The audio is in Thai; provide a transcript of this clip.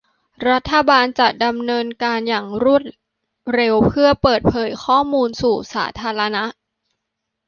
รัฐบาลจะดำเนินการอย่างรวดเร็วเพื่อเปิดเผยข้อมูลสู่สาธารณะ